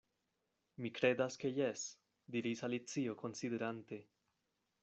"Mi kredas ke jes," diris Alicio, konsiderante.